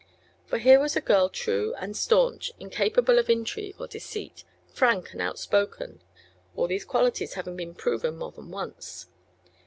For here was a girl true and staunch, incapable of intrigue or deceit, frank and outspoken, all these qualities having been proven more than once.